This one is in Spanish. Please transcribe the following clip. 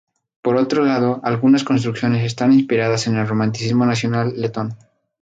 Por otro lado, algunas construcciones están inspiradas en el romanticismo nacional letón.